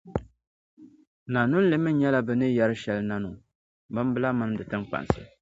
Nanunli mi nyɛla bɛ ni yɛri shɛli Nanuŋ, Bimbila mini di tiŋkpansi